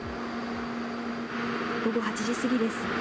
午後８時過ぎです。